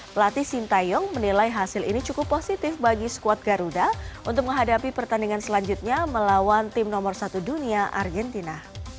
pelatih sintayong menilai hasil ini cukup positif bagi skuad garuda untuk menghadapi pertandingan selanjutnya melawan tim nomor satu dunia argentina